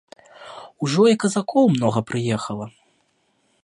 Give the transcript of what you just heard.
Ужо і казакоў многа прыехала.